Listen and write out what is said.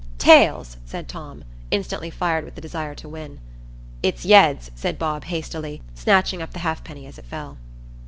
"Tails," said Tom, instantly fired with the desire to win. "It's yeads," said Bob, hastily, snatching up the halfpenny as it fell.